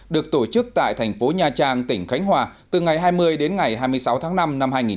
được tổ chức tại thành phố nha trang tỉnh khánh hòa từ ngày hai mươi đến ngày hai mươi sáu tháng năm năm hai nghìn một mươi chín